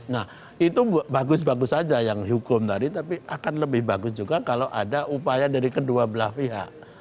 nah itu bagus bagus saja yang hukum tadi tapi akan lebih bagus juga kalau ada upaya dari kedua belah pihak